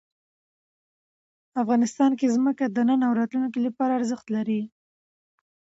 افغانستان کې ځمکه د نن او راتلونکي لپاره ارزښت لري.